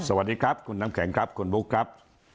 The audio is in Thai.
สวัสดีครับคุณน้ำแข็งครับคุณบุ๊คครับ